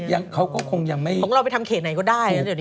พวกเราไปทำเขตไหนก็ได้นะเดี๋ยวนี้